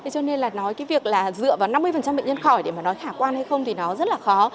cho nên là nói cái việc là dựa vào năm mươi bệnh nhân khỏi để mà nói khả quan hay không thì nó rất là khó